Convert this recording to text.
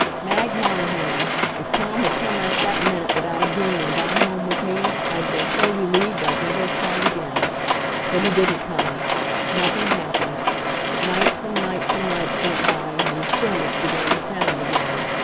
Mag Monahan, if Tom had come out that minute without a bean and gone home with me, I'd been so relieved I'd never have tried again. But he didn't come. Nothing happened. Nights and nights and nights went by, and the stillness began to sound again.